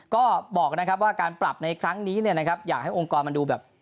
ก็บอกนะครับว่าการปรับในครั้งนี้อยากให้องค์กรมันดูแบบ